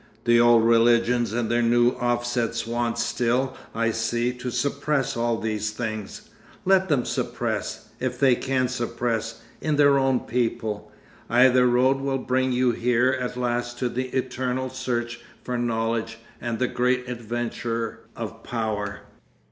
The old religions and their new offsets want still, I see, to suppress all these things. Let them suppress. If they can suppress. In their own people. Either road will bring you here at last to the eternal search for knowledge and the great adventure of power.